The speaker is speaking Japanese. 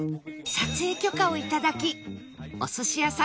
撮影許可を頂きお寿司屋さん